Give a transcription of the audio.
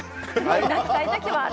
泣きたいときはある。